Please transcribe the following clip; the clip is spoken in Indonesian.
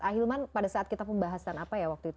pak hilman pada saat kita pembahasan apa ya